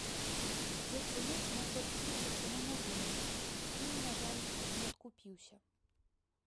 Дзед зямец мог бы адкупіцца ад паноў на вольніцу, ды, на жаль, не адкупіўся.